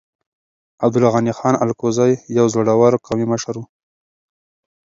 عبدالغني خان الکوزی يو زړور قومي مشر و.